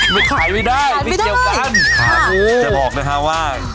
ไม่ขายมีไม่ได้ไม่เกี่ยวกัน